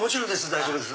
大丈夫です。